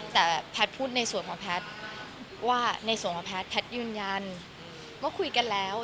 แต่แพทย์พูดในส่วนของแพทย์ว่าในส่วนของแพทย์แพทย์ยืนยันว่าคุยกันแล้ว